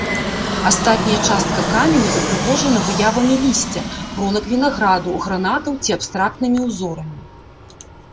Астатняя частка каменя ўпрыгожана выявамі лісця, гронак вінаграду, гранатаў ці абстрактнымі ўзорамі.